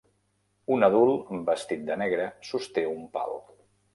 Un adult vestit de negre sosté un pal.